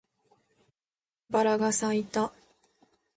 バラが咲いた